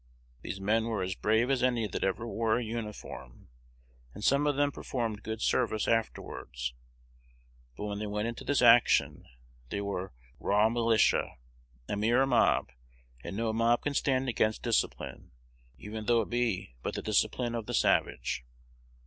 These men were as brave as any that ever wore a uniform, and some of them performed good service afterwards; but when they went into this action, they were "raw militia," a mere mob; and no mob can stand against discipline, even though it be but the discipline of the savage.